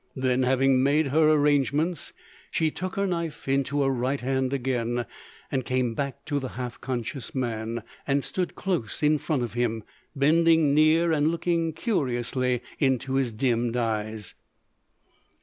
Then, having made her arrangements, she took her knife into her right hand again and came back to the half conscious man, and stood close in front of him, bending near and looking curiously into his dimmed eyes.